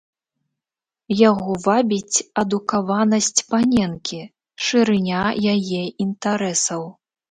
Яго вабіць адукаванасць паненкі, шырыня яе інтарэсаў.